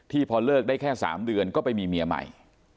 พอเลิกได้แค่๓เดือนก็ไปมีเมียใหม่